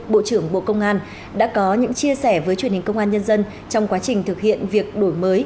bộ trưởng bộ công an đã có những chia sẻ với truyền hình công an nhân dân trong quá trình thực hiện việc đổi mới